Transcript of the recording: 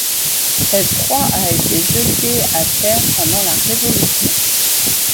Cette croix a été jetée à terre pendant la révolution.